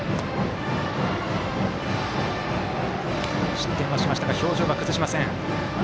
失点はしましたが表情は崩しません。